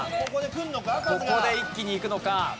ここで一気にいくのか？